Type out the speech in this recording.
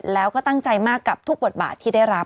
แล้วก็ตั้งใจมากกับทุกบทบาทที่ได้รับ